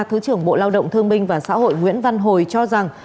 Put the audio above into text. thứ trưởng bộ lao động thương minh và xã hội nguyễn văn hồi cho rằng